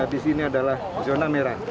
di sini adalah zona merah